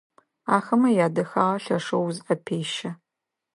Ахэмэ ядэхагъэ лъэшэу узыӏэпещэ.